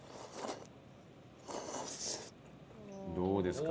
どうですか？